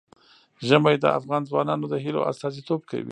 ژمی د افغان ځوانانو د هیلو استازیتوب کوي.